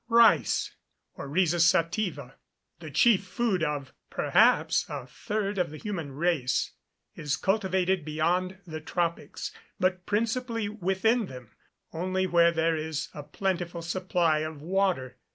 Rice (Oryza sativa), the chief food of, perhaps, a third of the human race, is cultivated beyond the tropics, but principally within them, only where there is a plentiful supply of water.